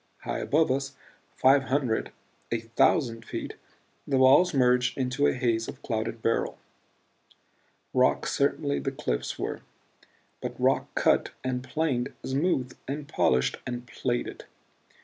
High above us five hundred, a thousand feet the walls merged into a haze of clouded beryl. Rock certainly the cliffs were but rock cut and planed, smoothed and polished and PLATED!